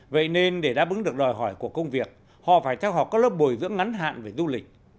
vậy nên để đáp ứng được đòi hỏi của công việc họ phải theo học các lớp bồi dưỡng ngắn hạn về du lịch